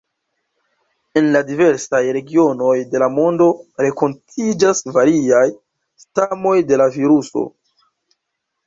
En la diversaj regionoj de la mondo renkontiĝas variaj stamoj de la viruso.